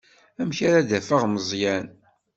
Amek ara d-afeɣ Meẓyan?